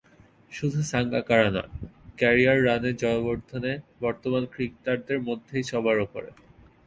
শুধু সাঙ্গাকারা নয়, ক্যারিয়ার রানে জয়াবর্ধনে বর্তমান ক্রিকেটারদের মধ্যেই সবার ওপরে।